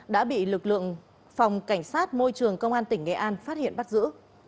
đã bị lực lượng phòng cảnh sát môi trường công an tỉnh nghệ an phát hiện bắt giữ